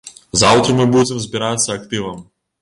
Заўтра мы будзем збірацца актывам.